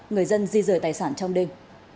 người dân di rời tài sản trong đêm